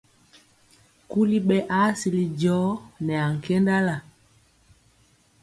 Kuli ɓɛ aa sili jɔɔ nɛ ankendala.